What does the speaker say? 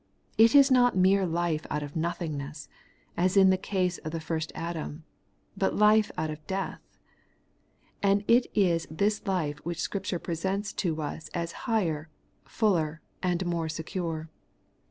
It is not mere life out of nothingness, as in the case of the first Adam, but life out of death. And it is this life which Scripture presents to us as higher, fuller, and more secure.